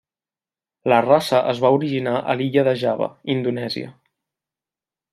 La raça es va originar a l'illa de Java, Indonèsia.